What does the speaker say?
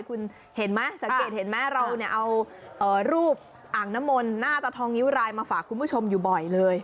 คุณเห็นไหมสังเกตเห็นไหมเราเนี่ยเอารูปอ่างน้ำมนต์หน้าตาทองนิ้วรายมาฝากคุณผู้ชมอยู่บ่อยเลย